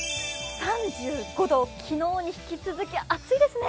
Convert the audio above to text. ３５度、昨日に引き続き暑いですね。